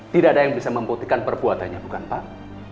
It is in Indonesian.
tidak ada yang bisa membuktikan perbuatannya bukan pak